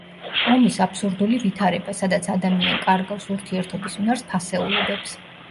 ომის აბსურდული ვითარება, სადაც ადამიან კარგავს ურთიერთობის უნარს, ფასეულობებს.